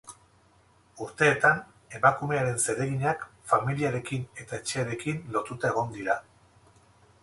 Urteetan emakumearen zereginak familiarekin eta etxearekin lotuta egon dira.